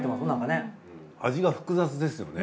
味が複雑ですよね。